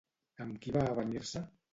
Amb qui va avenir-se?